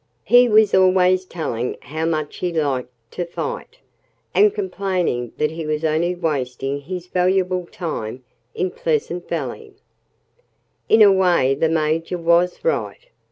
He was always telling how much he liked to fight, and complaining that he was only wasting his valuable time in Pleasant Valley. In a way the Major was right.